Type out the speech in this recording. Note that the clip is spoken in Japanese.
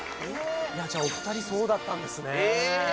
じゃあお二人そうだったんですね。